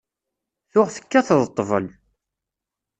Tuɣ tekkateḍ ṭṭbel.